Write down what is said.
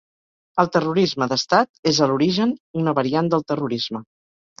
El terrorisme d'Estat és a l'origen una variant del terrorisme.